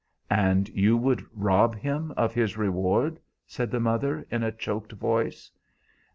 "And you would rob him of his reward?" said the mother, in a choked voice.